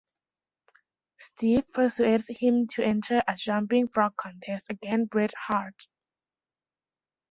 Steve persuades him to enter a jumping frog contest against Bret Harte.